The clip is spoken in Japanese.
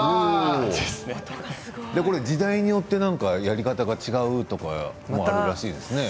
時代によってやり方が違うとかあるらしいですね。